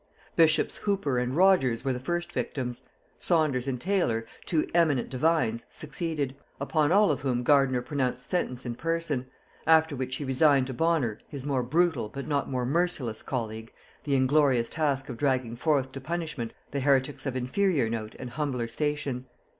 Bishops Hooper and Rogers were the first victims; Saunders and Taylor, two eminent divines, succeeded; upon all of whom Gardiner pronounced sentence in person; after which he resigned to Bonner, his more brutal but not more merciless colleague, the inglorious task of dragging forth to punishment the heretics of inferior note and humbler station.